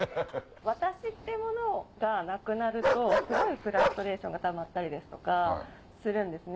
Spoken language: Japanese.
私ってものがなくなるとすごいフラストレーションがたまったりとかするんですね。